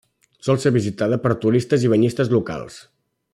Sol ser visitada per turistes i banyistes locals.